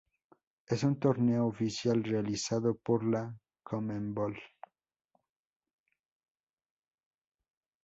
Es un torneo oficial realizado por la Conmebol.